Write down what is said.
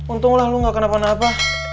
untunglah lu gak kenapa napa